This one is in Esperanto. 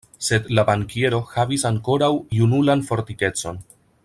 Sed la bankiero havis ankoraŭ junulan fortikecon.